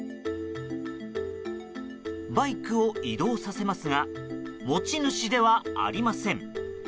バイクを移動させますが持ち主ではありません。